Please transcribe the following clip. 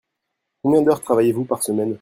Combien d'heures travaillez-vous par semaine ?